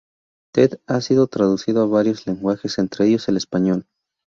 Ted ha sido traducido a varios lenguajes, entre ellos el español.